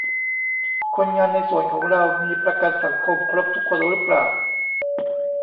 คนงานในสวนของเรามีประกันสังคมครบทุกคนรึเปล่า